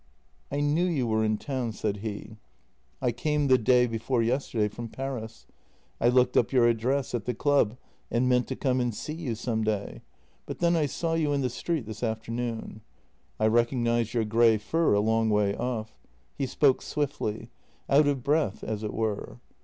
" I knew you were in town," said he. " I came the day 286 JENNY before yesterday from Paris. I looked up your address at the club, and meant to come and see you some day — but then I saw you in the street this afternoon. I recognized your grey fur a long way off." He spoke swiftly — out of breath, as it were.